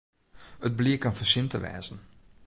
It bliek in fersin te wêzen.